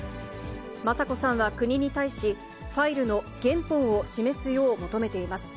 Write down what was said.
雅子さんは国に対し、ファイルの原本を示すよう求めています。